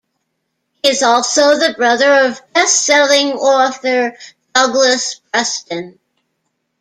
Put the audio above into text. He is also the brother of best-selling author Douglas Preston.